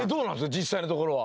実際のところは。